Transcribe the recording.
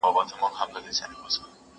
لښکر که ډېر وي، بې سره هېر وي.